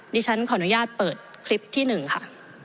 นี่ฉันขออนุญาตเปิดคลิปที่หนึ่งค่ะ